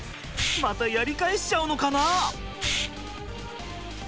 またやり返しちゃうのかな？